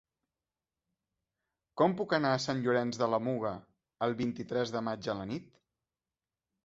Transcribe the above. Com puc anar a Sant Llorenç de la Muga el vint-i-tres de maig a la nit?